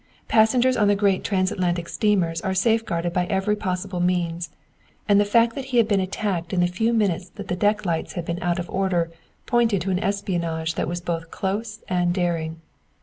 Passengers on the great transatlantic steamers are safeguarded by every possible means; and the fact that he had been attacked in the few minutes that the deck lights had been out of order pointed to an espionage that was both close and daring.